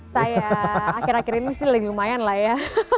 saya akhir akhir ini sih lagi lumayan lah ya